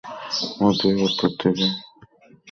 মসজিদের উত্তর দিকে বৃহৎ প্রাঙ্গণের কেন্দ্রে একটি ফোয়ারা আছে।